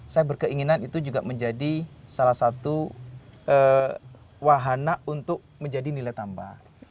saya berkeinginan itu juga menjadi salah satu wahana untuk menjadi nilai tambah